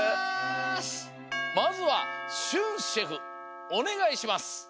まずはしゅんシェフおねがいします。